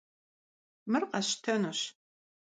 Mır khesştenuş.